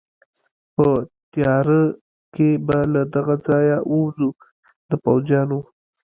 په تېاره کې به له دغه ځایه ووځو، د پوځیانو.